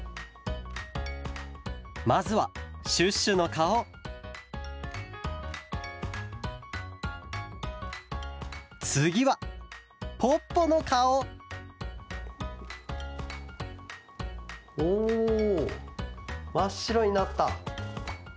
まずはシュッシュのかおつぎはポッポのかおおまっしろになった。